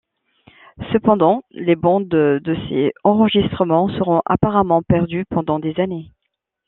Cependant, les bandes de ces enregistrements seront apparemment perdues pendant des années.